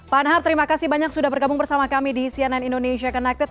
pak anhar terima kasih banyak sudah bergabung bersama kami di cnn indonesia connected